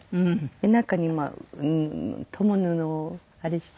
中にまあ共布をあれして。